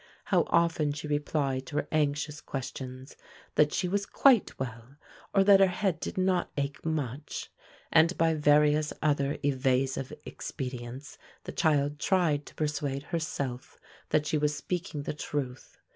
How often she replied to her anxious questions, "that she was quite well," or "that her head did not ache much!" and by various other evasive expedients the child tried to persuade herself that she was speaking the truth.